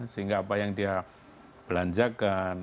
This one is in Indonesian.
sehingga apa yang dia belanjakan